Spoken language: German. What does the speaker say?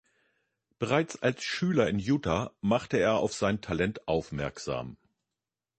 Bereits als Schüler in Utah machte er auf sein Talent aufmerksam.